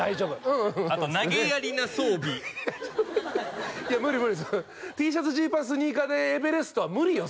うんあと投げやりな装備いやフフフいや無理無理そんなＴシャツジーパンスニーカーでエベレストは無理よ